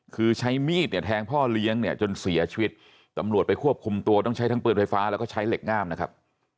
คือใช้มีดเนี่ยแทงพ่อเลี้ยงเนี่ยจนเสียชีวิตตำรวจไปควบคุมตัวต้องใช้ทั้งปืนไฟฟ้าแล้วก็ใช้เหล็กงามนะครับ